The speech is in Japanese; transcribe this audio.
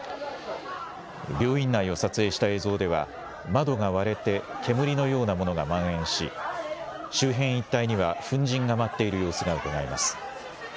病院内を撮影した映像では、窓が割れて、煙のようなものがまん延し、周辺一帯には粉じんが舞っている様子がうかがえます。